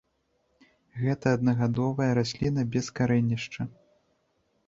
Гэта аднагадовая расліна без карэнішча.